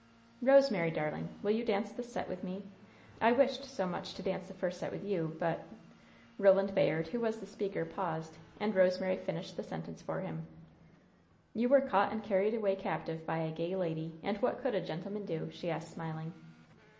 "Rosemary, darling, will you dance this set with me? I wished so much to dance the first set with you, but " Roland Bayard, who was the speaker, paused, and Rosemary finished the sentence for him: "You were caught and carried away captive by a gay lady! And what could a gentleman do?" she asked, smiling.